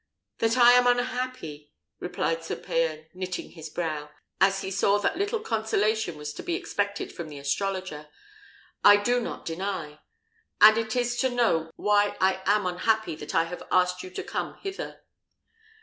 "That I am unhappy," replied Sir Payan, knitting his brow, as he saw that little consolation was to be expected from the astrologer, "I do not deny; and it is to know why I am unhappy that I have asked you to come hither."